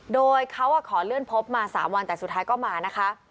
โดยเขาขอเลื่อนพบมา๓วันแต่สุดท้ายก็มานะคะ